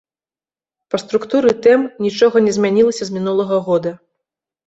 Па структуры тэм нічога не змянілася з мінулага года.